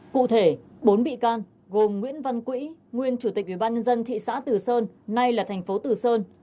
cụ thể bốn bị can gồm nguyễn văn quỹ nguyên chủ tịch ubnd thị xã từ sơn nay là thành phố tử sơn